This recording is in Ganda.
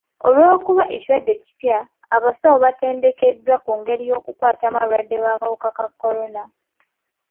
Olw'okuba ekirwadde kipya, abasawo baatendekebwa ku ngeri y'okukwatamu abalwadde b'akawuka ka kolona.